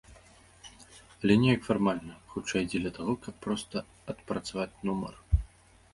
Але неяк фармальна, хутчэй, дзеля таго, каб проста адпрацаваць нумар.